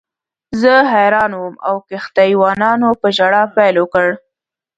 زه حیران وم او کښتۍ وانانو په ژړا پیل وکړ.